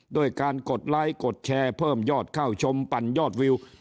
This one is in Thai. ด้วยการกดไลค์กดแชร์เพิ่มยอดเข้าชมปั่นยอดวิว